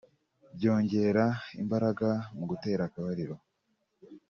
byongera imbaraga mu gutera akabariro